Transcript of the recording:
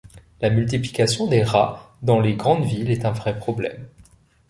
La multiplication des rats dans les grandes villes est un vrai problème.